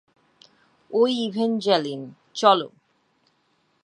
ঐ ইভেঞ্জ্যালিন, চলো!